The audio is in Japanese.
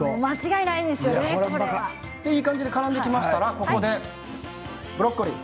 いい感じにからんできましたらブロッコリー。